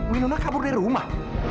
winona kabur dari rumah